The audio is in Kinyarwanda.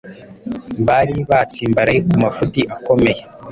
Bari batsimbaraye ku mafuti akomeye